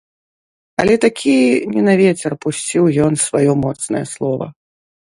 Але такі не на вецер пусціў ён сваё моцнае слова.